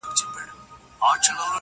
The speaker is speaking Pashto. قصابي وه د حقونو د نادارو -